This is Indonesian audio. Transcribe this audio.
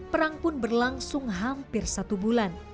perang pun berlangsung hampir satu bulan